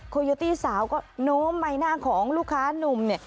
โยตี้สาวก็โน้มใบหน้าของลูกค้านุ่มเนี่ย